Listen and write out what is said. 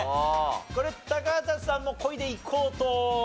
これ高畑さんも恋でいこうとは。